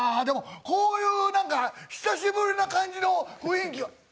でもこういうなんか久しぶりな感じの雰囲気は。